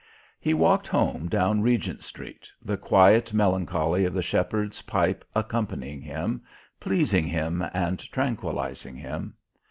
He walked home down Regent Street, the quiet melancholy of the shepherd's pipe accompanying him, pleasing him and tranquillizing him.